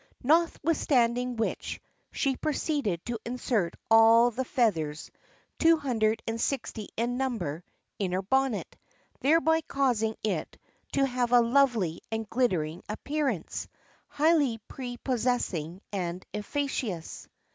Notwithstanding which, she proceeded to insert all the feathers—two hundred and sixty in number—in her bonnet; thereby causing it to have a lovely and glittering appearance, highly prepossessing and efficacious.